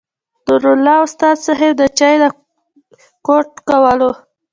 نور الله استاذ صېب د چاے نه ګوټ کولو